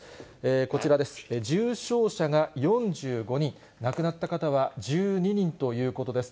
こちらです、重症者が４５人、亡くなった方は１２人ということです。